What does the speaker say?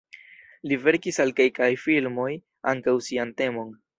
Li verkis al kelkaj filmoj ankaŭ sian temon.